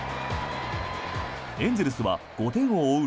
エンゼルスは５点を追う